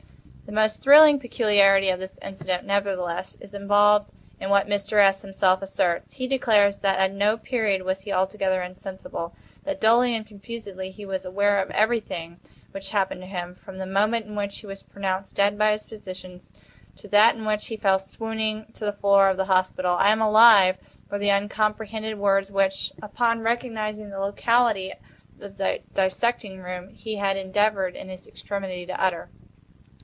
The most thrilling peculiarity of this incident, nevertheless, is involved in what Mr. S. himself asserts. He declares that at no period was he altogether insensible—that, dully and confusedly, he was aware of everything which happened to him, from the moment in which he was pronounced dead by his physicians, to that in which he fell swooning to the floor of the hospital. "I am alive," were the uncomprehended words which, upon recognizing the locality of the dissecting room, he had endeavored, in his extremity, to utter.